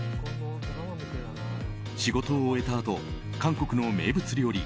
仕事を終えたあと韓国の名物料理